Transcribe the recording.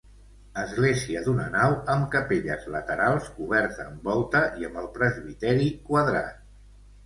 Església d'una nau amb capelles laterals coberta amb volta i amb el presbiteri quadrat.